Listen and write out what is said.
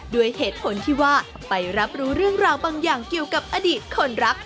ด้วยเหตุผลที่ว่าไปรับรู้เรื่องราวบางอย่างเกี่ยวกับอดีตคนรัก